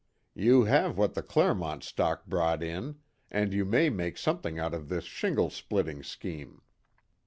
"You have what the Clermont stock brought in, and you may make something out of this shingle splitting scheme."